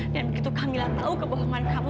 dan begitu kamila tahu kebohongan kamu